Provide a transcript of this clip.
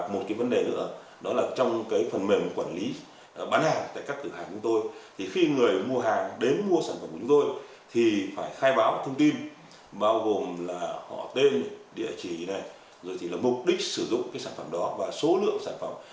một cái vấn đề nữa đó là trong cái phần mềm quản lý bán hàng tại các cửa hàng của tôi thì khi người mua hàng đến mua sản phẩm của chúng tôi thì phải khai báo thông tin bao gồm là họ tên địa chỉ này rồi thì là mục đích sử dụng cái sản phẩm đó và số lượng sản phẩm